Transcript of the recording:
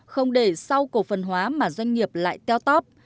không để sau cổ phần hóa mà doanh nghiệp lại teo tóp